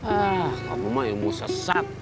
ah kalau emang yang mau sesat